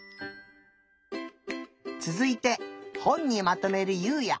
つづいてほんにまとめるゆうや。